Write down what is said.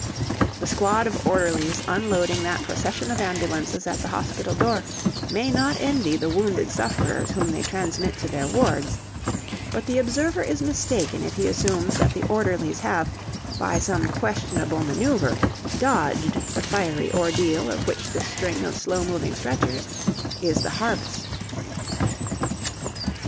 The squad of orderlies unloading that procession of ambulances at the hospital door may not envy the wounded sufferers whom they transmit to their wards; but the observer is mistaken if he assumes that the orderlies have, by some questionable manoeuvre, dodged the fiery ordeal of which this string of slow moving stretchers is the harvest.